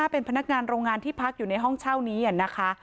เป็นพนักงานโรงงานที่พักอยู่ในห้องเช่านี้นะคะ